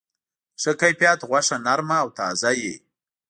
د ښه کیفیت غوښه نرم او تازه وي.